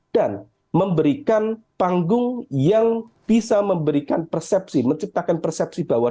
dan memberikan panggung yang bisa memberikan persepsi menciptakan persepsi bahwa